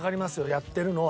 やってるのは。